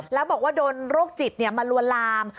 แล้วบอกว่าโดนโรคจิตมาลวนลาม